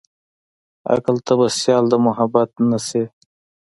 عقله ته به سيال د محبت نه شې.